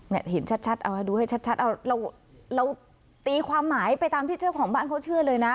เห็นชัดเอาดูให้ชัดเอาเราตีความหมายไปตามที่เจ้าของบ้านเขาเชื่อเลยนะ